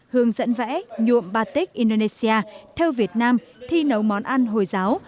hướng dẫn vẽ nhuộm ba tích indonesia theo việt nam thi nấu món ăn hồi giáo